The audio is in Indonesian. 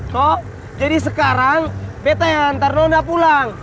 tuh jadi sekarang beta yang antar nona pulang